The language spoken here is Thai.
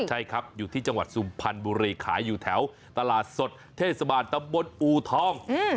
ใช่ครับอยู่ที่จังหวัดสุพรรณบุรีขายอยู่แถวตลาดสดเทศบาลตำบลอูทอง